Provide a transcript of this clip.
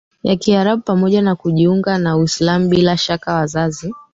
ya Kiarabu pamoja na kujiunga na Uislamu Bila shaka wazazi